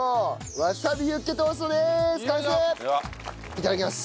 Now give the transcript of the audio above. いただきます。